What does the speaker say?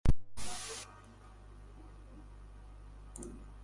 He died in Antofagasta.